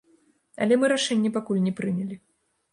Але мы рашэнне пакуль не прынялі.